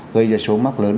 gây ra số mắc lớn